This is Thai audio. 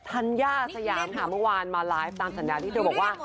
ธัญญาสยามค่ะเมื่อวานมาไลฟ์ตามสัญญาที่เธอบอกว่า